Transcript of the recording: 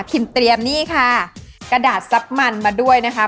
เตรียมนี่ค่ะกระดาษซับมันมาด้วยนะคะ